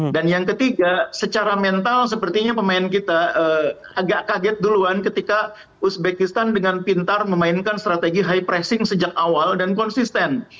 dan yang ketiga secara mental sepertinya pemain kita agak kaget duluan ketika uzbekistan dengan pintar memainkan strategi high pressing sejak awal dan konsisten